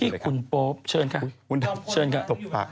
พี่ขุนโป๊บเชิญค่ะเชิญค่ะ